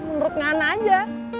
menurut ngana aja